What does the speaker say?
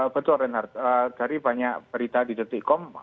betul renard dari banyak berita di titik kom